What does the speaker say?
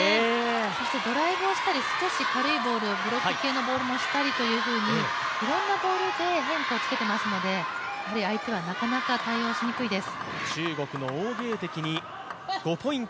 そしてドライブをしたり、少しブロック系をしたりいろんなボールで変化をつけていますので、相手はなかなか対応しにくいです。